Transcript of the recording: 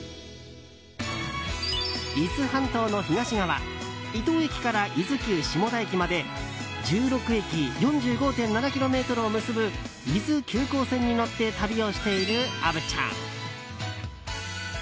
伊豆半島の東側伊東駅から伊豆急下田駅まで１６駅、４５．７ｋｍを結ぶ伊豆急行線に乗って旅をしている虻ちゃん。